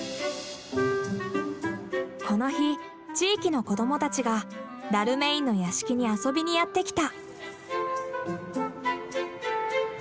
この日地域の子どもたちがダルメインの屋敷に遊びにやって来た。